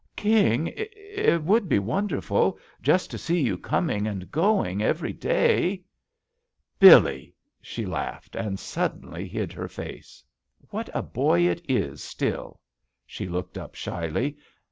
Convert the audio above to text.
"King, it would be wonderful — ^just to see you coming and going every day I" "Billeel" She laughed and suddenly hid her face. What a boy it is, still I" She looked up shyly.